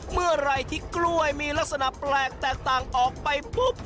เมื่อไหร่ที่กล้วยมีลักษณะแปลกแตกต่างออกไปปุ๊บ